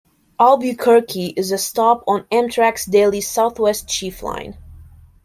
Albuquerque is a stop on Amtrak's daily Southwest Chief line.